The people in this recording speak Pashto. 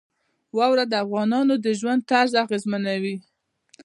واوره د افغانانو د ژوند طرز اغېزمنوي.